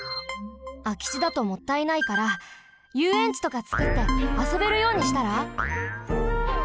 あきちだともったいないからゆうえんちとかつくってあそべるようにしたら？